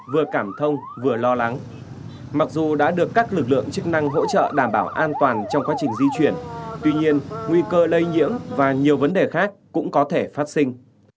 vừa cảm thông vừa lo lắng mặc dù đã được các lực lượng chức năng hỗ trợ đảm bảo an toàn trong quá trình di chuyển tuy nhiên nguy cơ lây nhiễm và nhiều vấn đề khác cũng có thể phát sinh